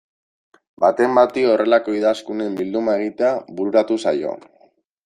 Baten bati horrelako idazkunen bilduma egitea bururatu zaio.